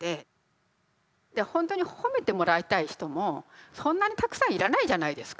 で本当に褒めてもらいたい人もそんなにたくさん要らないじゃないですか。